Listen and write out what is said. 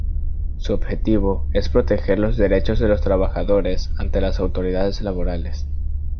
Su objetivo es proteger los derechos de los trabajadores ante las autoridades laborales.